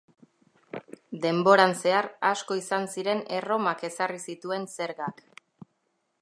Denboran zehar, asko izan ziren Erromak ezarri zituen zergak.